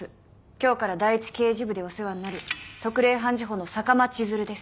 今日から第１刑事部でお世話になる特例判事補の坂間千鶴です。